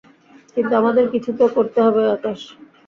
কিন্তু আমাদের কিছু তো করতে হবে আকাশ।